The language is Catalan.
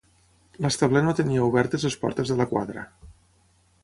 L'establer no tenia obertes les portes de la quadra.